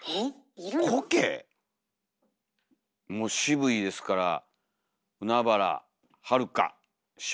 渋いですから海原はるか師匠。